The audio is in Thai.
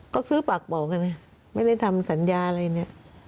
ก็ซื้อปากบอกกันไม่ได้ทำสัญญาอะไรเนี่ย